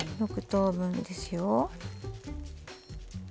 ６等分ですよ。